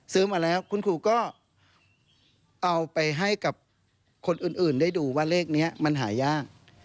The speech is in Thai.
มาแล้วคุณครูก็เอาไปให้กับคนอื่นได้ดูว่าเลขนี้มันหายาก